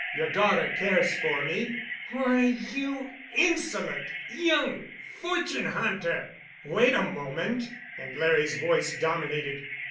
Your daughter cares for me——" "Why, you insolent young fortune hunter!" "Wait a moment!" and Larry's voice dominated.